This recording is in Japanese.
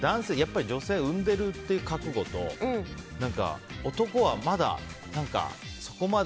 女性、産んでいるという覚悟と男は、まだそこまで。